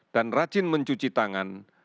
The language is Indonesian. dan rajin mencuci tangan